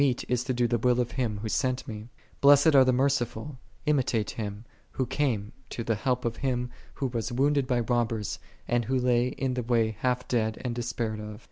it is to do the will of Him Who sent Mr." '" lilessed are the merciful;" imitate Him, Who came to the help of him who was wounded by robbers, and who lay in the way halt dead and de.spaired of.